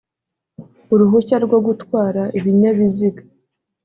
uruhushya rwo gutwara ibinyabiziga